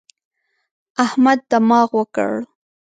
احمد دماغ وکړ.